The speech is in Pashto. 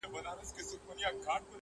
پر لویانو کشرانو باندي گران وو٫